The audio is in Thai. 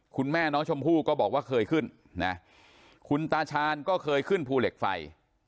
คุณแม่น้องชมพู่ก็บอกว่าเคยขึ้นนะคุณตาชาญก็เคยขึ้นภูเหล็กไฟ